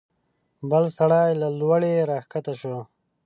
بل سړی له لوړې راکښته شو.